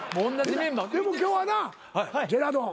でも今日はなジェラードン。